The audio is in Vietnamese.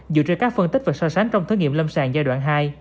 dựa trên các phân tích và so sánh trong thử nghiệm lâm sàng giai đoạn hai